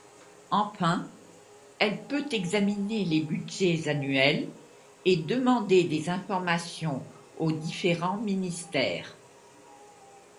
Enfin, elle peut examiner les budgets annuels et demander des informations aux différents ministères.